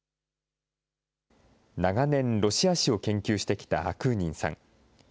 長年、ロシア史を研究してきたアクーニンさん。